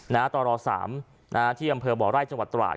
นะฮะต่อรอสามนะฮะที่บ่อไร่จังหวัดตราช